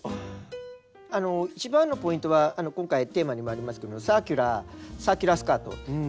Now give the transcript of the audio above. あの一番のポイントは今回テーマにもありますけどサーキュラーサーキュラースカート。